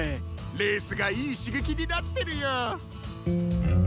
レースがいいしげきになってるよ。